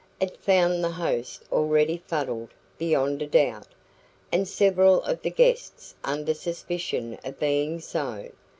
It found the host already fuddled beyond a doubt, and several of the guests under suspicion of being so.